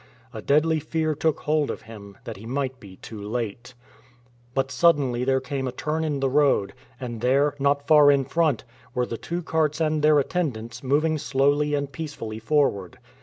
A deadly fear took hold of him that he might be too late. But suddenly there came a turn in the road, and there, not far in front, were the two carts and their attendants moving slowly and peacefully forward.